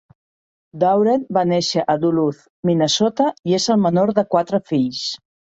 Dauren va néixer a Duluth, Minnesota i és el menor de quatre fills.